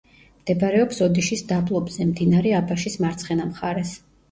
მდებარეობს ოდიშის დაბლობზე, მდინარე აბაშის მარცხენა მხარეს.